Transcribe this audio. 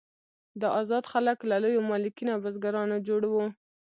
دا آزاد خلک له لویو مالکین او بزګرانو جوړ وو.